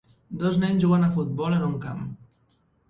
Dos nens juguen a futbol en un camp.